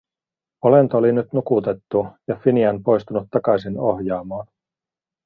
Olento oli nyt nukutettu ja Finian poistunut takaisin ohjaamoon.